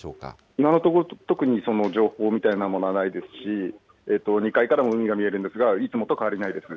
今のところ、特にその情報みたいなものはないですし、２階からも海が見えるんですが、いつもと変わりないです。